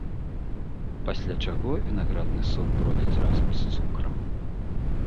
Пасля чаго вінаградны сок бродзіць разам з цукрам.